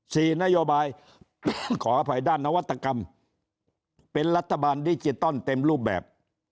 นโยบายขออภัยด้านนวัตกรรมเป็นรัฐบาลดิจิตอลเต็มรูปแบบ